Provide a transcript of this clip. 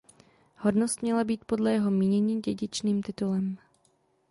Hodnost měla být podle jeho mínění dědičným titulem.